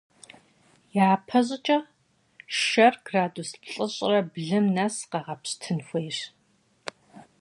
Япэ щӏыкӏэ шэр градус плӏыщӏрэ блым нэс къэгъэпщтын хуейщ.